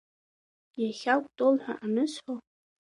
Иахьа Кәтол ҳәа анысҳәо…